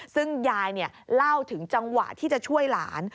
ซึ่งยายเล่าถึงจังหวะที่จะช่วยหลาน